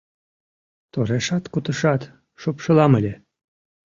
Торешат-кутышат шупшылам ыле.